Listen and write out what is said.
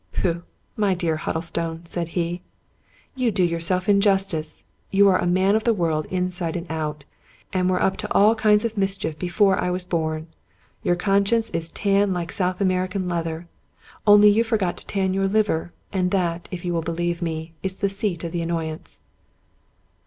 " Pooh, my dear Huddlestone !" said he. " You do your self injustice. You are a man of the world inside and out, and were up to all kinds of mischief before I was bom. Your conscience is tanned like South American leather — only you forgot to tan your liver, and that, if you will be lieve me, is the seat of the annoyance."